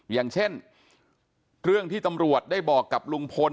อย่างเช่นเรื่องที่ตำรวจได้บอกกับลุงพล